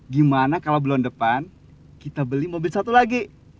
gimana kalau bulan depan kita beli mobil satu lagi